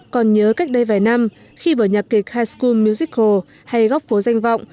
còn nhớ cách đây vài năm khi bởi nhạc kịch high school musical hay góc phố danh vọng